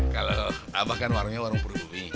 kalau abah kan warungnya warung peribumi